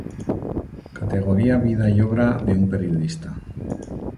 Categoría Vida y Obra de un Periodista.